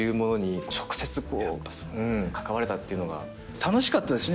楽しかったですね